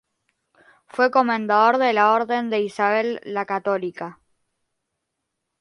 Fue comendador de la Orden de Isabel la Católica.